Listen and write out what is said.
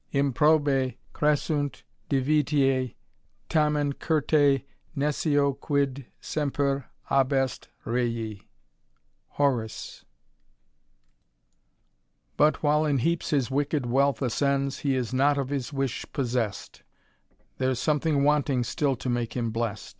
Improba Crescunt divitia^ tamen Curta nescio quid semper ahest ret, HOB. But, while in heaps his wicked wealth ascends, He is not of his wish possessed ; There's something wanting still to make him hlest."